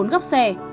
bốn góc xe